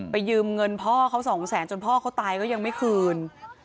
ยืมเงินพ่อเขาสองแสนจนพ่อเขาตายก็ยังไม่คืน